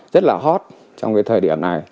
rất là hot trong cái thời điểm này